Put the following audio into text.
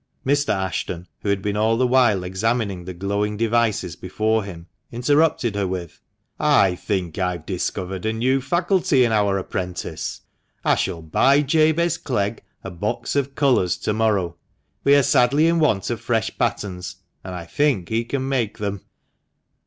Mr. Ashton, who had been all the while examining the glowing devices before him, interrupted her with —" I think I have discovered a new faculty in our apprentice. I shall buy Jabez Clegg a box of colours to morrow. We are sadly in want of fresh patterns, and I think he can make them."